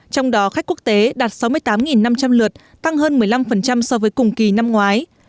trong đó khách quốc tế đạt sáu mươi tám năm trăm linh lượt tăng hơn một mươi năm so với cùng kỳ năm ngoái